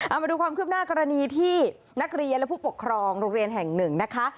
เอามาดูความคืบหน้ากรณีที่นักเรียนและผู้ปกครองโรงเรียนแห่งหนึ่งนะคะ